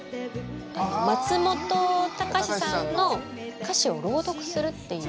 松本隆さんの歌詞を朗読するっていう。